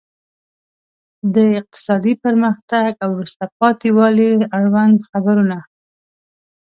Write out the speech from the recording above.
د اقتصادي پرمختګ او وروسته پاتې والي اړوند خبرونه.